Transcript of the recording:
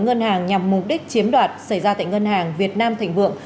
ngân hàng nhằm mục đích chiếm đoạt xảy ra tại ngân hàng việt nam thành vượng